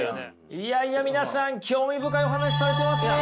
いやいや皆さん興味深いお話されてますね！